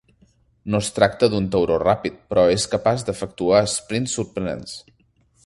No es tracta d'un tauró ràpid, però és capaç d'efectuar esprints sorprenents.